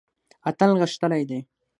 اتل غښتلی دی.